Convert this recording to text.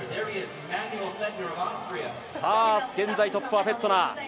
現在トップはフェットナー。